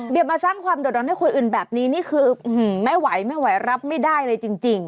เดี๋ยวมาสร้างความเดือดร้อนให้คนอื่นแบบนี้นี่คือไม่ไหวไม่ไหวรับไม่ได้เลยจริง